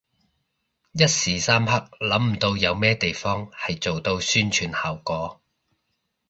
一時三刻諗唔到有咩地方係做到宣傳效果